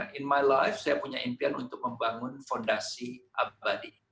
dalam hidup saya saya punya impian untuk membangun fondasi abadi